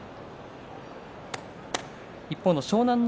一方の湘南乃